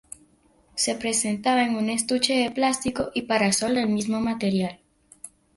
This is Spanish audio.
Se presentaba en un estuche plástico y parasol del mismo material.